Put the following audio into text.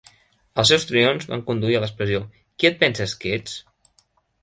Els seus triomfs van conduir a l'expressió "Qui et penses que ets?".